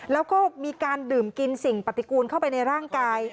แล้วก็มีการดื่มกินสิ่งปฏิกูลเข้าไปในร่างกาย